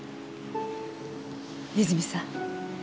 泉さん